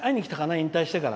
引退してから。